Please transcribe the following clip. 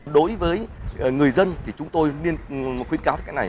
đối với người dân thì chúng tôi nên khuyến cáo cái này